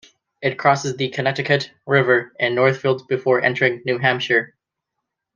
It crosses the Connecticut River in Northfield before entering New Hampshire.